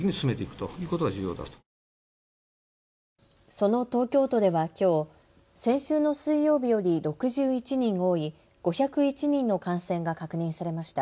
その東京都ではきょう、先週の水曜日より６１人多い５０１人の感染が確認されました。